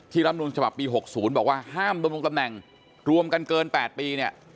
ที่รับนูญฉบับปี๖๐บอกว่าห้ามบำรุงตำแหน่งรวมกันเกิน๘ปี